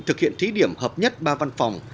thực hiện thí điểm hợp nhất ba văn phòng